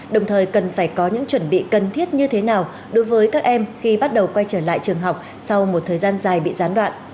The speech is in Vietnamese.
đồng thời cần phải có những chuẩn bị cần thiết như thế nào đối với các em khi bắt đầu quay trở lại trường học sau một thời gian dài bị gián đoạn